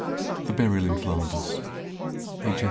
THE BURIAL IN FLANDERS (H.